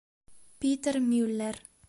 Peter Mueller